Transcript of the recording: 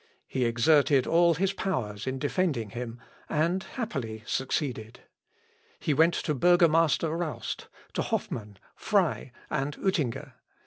He exerted all his powers in defending him, and happily succeeded. He went to burgomaster Roust, to Hoffman, Frey, and Utinger.